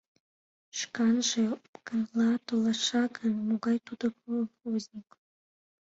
Шканже опкынла толаша гын, могай тудо колхозник.